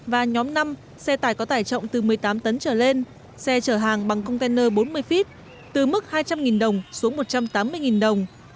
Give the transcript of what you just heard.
và nhóm năm xe tải có tải trọng từ một mươi tám tấn trở lên xe chở hàng bằng container bốn mươi feet từ mức hai trăm linh đồng xuống một trăm tám mươi đồng